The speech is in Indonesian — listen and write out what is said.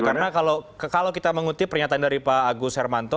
karena kalau kita mengutip pernyataan dari pak agus hermanto